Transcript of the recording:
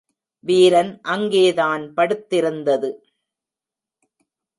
வீரன் அங்கேதான் படுத்திருந்தது.